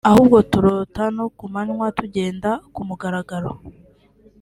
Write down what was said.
ahubwo turota no ku manywa tugenda ku mugaragaro